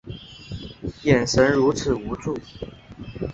眼神如此无助